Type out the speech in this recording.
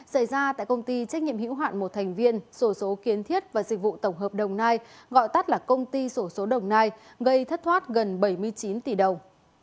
xảy ra tại công ty trách nhiệm hữu hạn một thành viên sổ số kiến thiết và dịch vụ tổng hợp đồng nai gọi tắt là công ty sổ số đồng nai gây thất thoát gần bảy mươi chín tỷ đồng